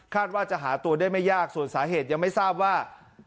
ว่าจะหาตัวได้ไม่ยากส่วนสาเหตุยังไม่ทราบว่า